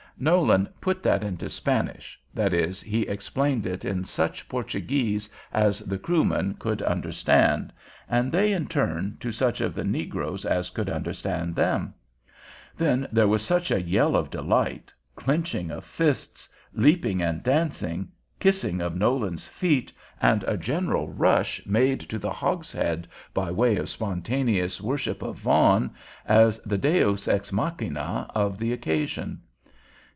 Nolan "put that into Spanish," that is, he explained it in such Portuguese as the Kroomen could understand, and they in turn to such of the negroes as could understand them. Then there was such a yell of delight, clinching of fists, leaping and dancing, kissing of Nolan's feet, and a general rush made to the hogshead by way of spontaneous worship of Vaughan, as the deus ex machina of the occasion.